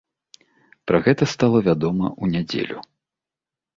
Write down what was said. Пра гэта стала вядома ў нядзелю.